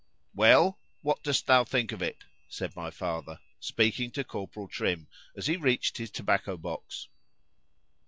Well,——what dost thou think of it? said my father, speaking to Corporal Trim, as he reached his tobacco box.